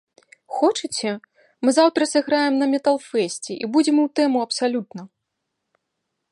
Хочаце, мы заўтра сыграем на метал-фэсце і будзем у тэму абсалютна?